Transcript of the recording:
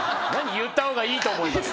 「言った方がいいと思います」って。